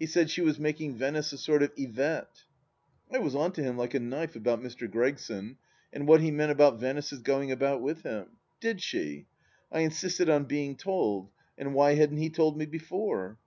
He said she was making Venice a sort of Yvette. I was on to him like a knife about Mr. Gregson, and what he meant about Venice's going about with him. Did she ? I insisted on being told, and why hadn't he told me before